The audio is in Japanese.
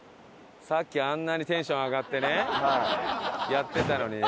さっきあんなにテンション上がってねやってたのにね。